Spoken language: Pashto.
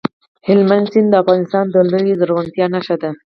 هلمند سیند د افغانستان د لویې زرغونتیا نښه ده.